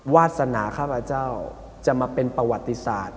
วาสนาข้าพเจ้าจะมาเป็นประวัติศาสตร์